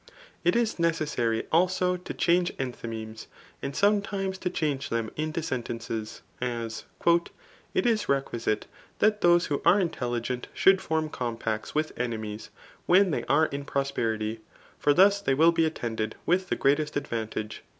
It is necessary also to diange endiymemes, and sometimes to change them into sentences ; as, ^ It is re^iiiisite that those who are intd« l^ent should form compacts with demies, when they IM bi prosperity ; for thus they will be attended with the gMttest advantage."